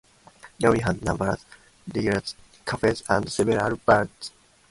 Yulee has numerous restaurants, cafes, and several bars.